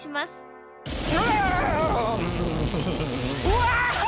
うわ！